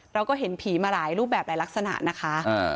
เราก็เห็นผีมาหลายรูปแบบหลายลักษณะนะคะ